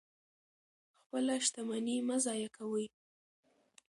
خپله شتمني مه ضایع کوئ.